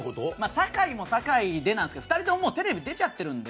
酒井も酒井なんですけど２人ともテレビに出ちゃってるんで。